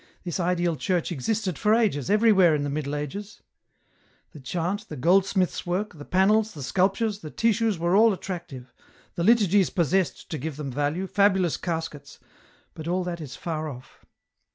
This ideal church existed for ages, everywhere in the Middle Ages ! The chant, the goldsmith's work, the panels, the sculptures, the tissues were all attrac tive ; the liturgies possessed, to give them value, fabulous caskets, but all that is far off."